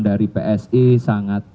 dari psi sangat